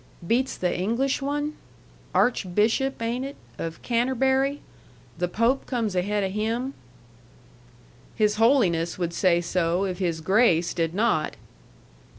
"Beats the English one? Archbishop ain't it? of Canterbury? The Pope comes ahead of him?" "His Holiness would say so if his Grace did not."